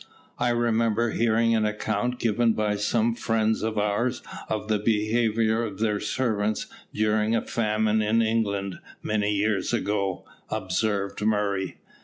"I remember hearing an account given by some friends of ours of the behaviour of their servants during a famine in England many years ago," observed Murray.